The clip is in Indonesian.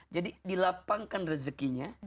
jadi dilapangkan rezekinya